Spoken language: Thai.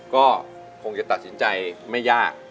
ก็คงจะตัดสินใจไม่ยาก